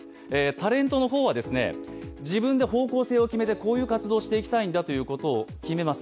タレントの方は自分で方向性を決めて、こういう活動をしていきたいということを決めます。